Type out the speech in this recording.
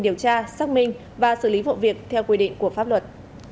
điều tra xác minh và xử lý vụ việc theo quy định của pháp luật